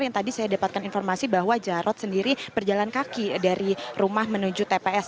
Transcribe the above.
yang tadi saya dapatkan informasi bahwa jarod sendiri berjalan kaki dari rumah menuju tps